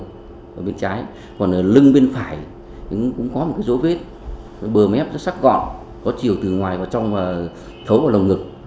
tử thi khi đến thì đã phân hủy nặng còn có phần ngực bên trái còn có phần ngực bên trái còn lưng bên phải cũng có một dấu vết bừa mép sắc gọn có chiều hướng từ ngoài vào trong thấu vào lồng ngực